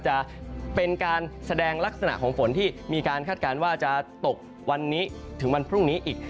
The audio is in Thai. จะเป็นการแสดงลักษณะของฝนที่มีการคาดการณ์ว่าจะตกวันนี้ถึงวันพรุ่งนี้อีก